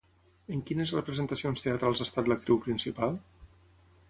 En quines representacions teatrals ha estat l'actriu principal?